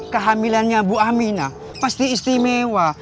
kehamilannya bu amina pasti istimewa